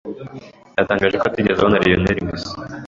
yatangaje ko atigeze abona Lionel Messi